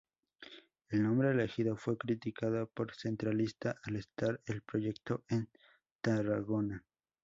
El nombre elegido fue criticado por centralista al estar el proyecto en Tarragona.